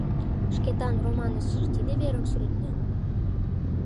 Шкетан романыштыже тиде верым сӱретлен?